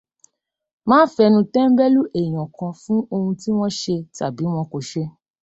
Má fẹnu tẹ́mbẹ́lú èèyàn kan fún ohun tí wọ́n ṣe tàbí wọn kò ṣe.